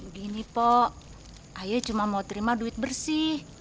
begini pak ayah cuma mau terima duit bersih